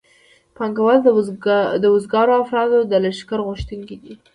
پانګوال د وزګارو افرادو د لښکر غوښتونکي دي